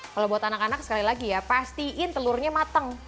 kalau buat anak anak sekali lagi ya pastiin telurnya mateng